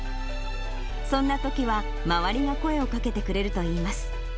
そんなときは、周りが声をかけてくれるといいます。